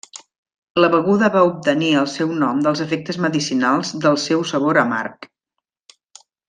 La beguda va obtenir el seu nom dels efectes medicinals del seu sabor amarg.